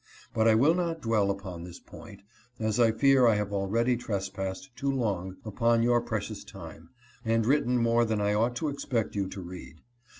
But I will not dwell upon this point, as I fear I have already trespassed too long upon your precious time, and written more than I ought to expect you to read.